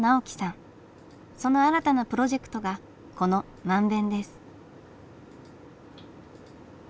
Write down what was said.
その新たなプロジェクトがこの「漫勉」です。